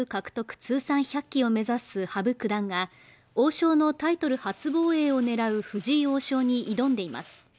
通算１００期を目指す羽生九段が、王将のタイトル初防衛を狙う藤井王将に挑んでいます。